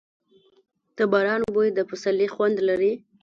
د باران بوی د پسرلي خوند لري.